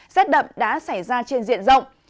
rét đậm đã xảy ra trên diện rộng